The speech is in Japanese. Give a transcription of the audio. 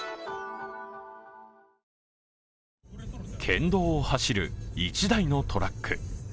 県道を走る１台のトラック。